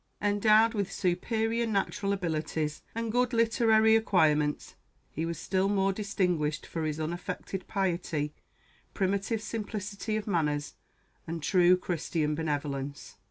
Endowed with superior natural abilities and good literary acquirements, he was still more distinguished for his unaffected piety, primitive simplicity of manners, and true Christian benevolence.